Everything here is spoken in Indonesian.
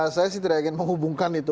saya sih tidak ingin menghubungkan itu